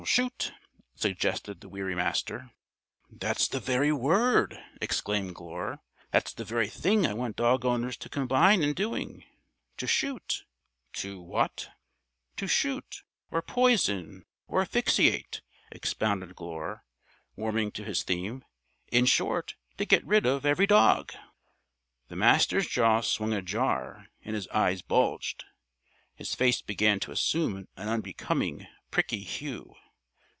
"Shoot!" suggested the weary Master. "That's the very word!" exclaimed Glure. "That's the very thing I want dog owners to combine in doing. To shoot!" "To what?" "To shoot or poison or asphyxiate," expounded Glure, warming to his theme. "In short, to get rid of every dog." The Master's jaw swung ajar and his eyes bulged. His face began to assume an unbecoming bricky hue.